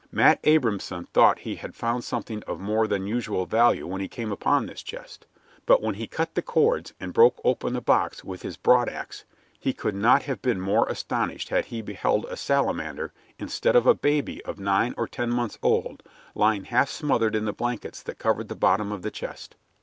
Matt Abrahamson thought he had found something of more than usual value when he came upon this chest; but when he cut the cords and broke open the box with his broadax, he could not have been more astonished had he beheld a salamander instead of a baby of nine or ten months old lying half smothered in the blankets that covered the bottom of the chest.